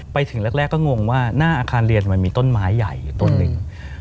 ไปถึงแรกก็งงว่าหน้าอาคารเรียนมันมีต้นไม้ใหญ่อยู่ต้นหนึ่ง